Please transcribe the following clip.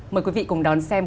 mời quý vị cùng đón xem